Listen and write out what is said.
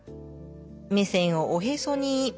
目線をおへそに。